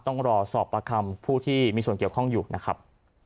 ต้องรอสอบประคำผู้ที่มีส่วนเกี่ยวข้องอยู่นะครับ